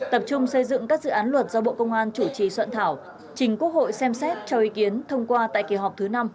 tập trung xây dựng các dự án luật do bộ công an chủ trì soạn thảo trình quốc hội xem xét cho ý kiến thông qua tại kỳ họp thứ năm